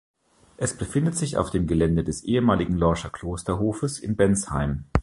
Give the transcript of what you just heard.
Es befindet sich auf dem Gelände des ehemaligen Lorscher Klosterhofes in Bensheim.